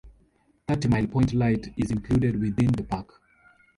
Thirty Mile Point Light is included within the park.